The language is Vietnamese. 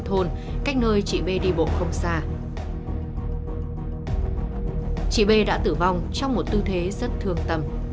thôn cách nơi chị bê đi bộ không xa chị bê đã tử vong trong một tư thế rất thương tâm à à ừ ừ